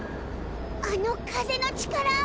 あの風の力？